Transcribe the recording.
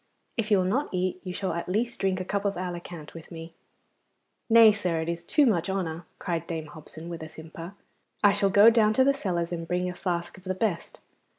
If you will not eat, you shall at least drink a cup of Alicant with me.' 'Nay, sir, it is too much honour,' cried Dame Hobson, with a simper. 'I shall go down into the cellars and bring a flask of the best.